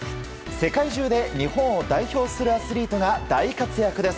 世界中で日本を代表するアスリートが大活躍です。